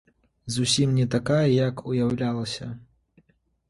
Зусім не такая, як уяўлялася.